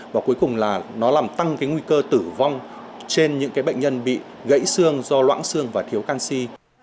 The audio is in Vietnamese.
và cuối cùng là nó làm tăng nguy cơ tử vong trên những bệnh nhân bị gãy xương do loãng xương và thiếu canxi